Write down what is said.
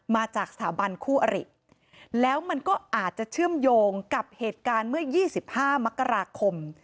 มาจากสถาบันคู่อริแล้วมันก็อาจจะเชื่อมโยงกับเหตุการณ์เมื่อ๒๕มกราคม